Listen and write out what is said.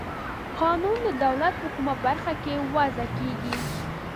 قانون د دولت په کومه برخه کې وضع کیږي؟